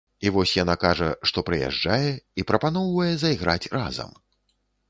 І вось яна кажа, што прыязджае, і прапаноўвае зайграць разам.